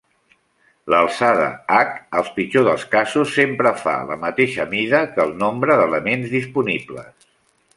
L'alçada h al pitjor dels casos sempre la mateixa mida que el nombre d'elements disponibles.